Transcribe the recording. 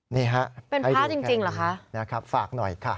นี่ฮะให้ดูนะครับฝากหน่อยค่ะเป็นพระจริงหรือคะ